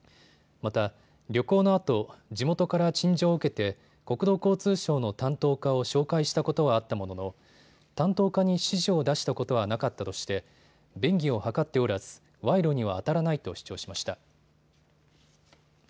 また、旅行のあと地元から陳情を受けて国土交通省の担当課を紹介したことはあったものの担当課に指示を出したことはなかったとして便宜を図っておらず賄賂にはあたらないと主張しました。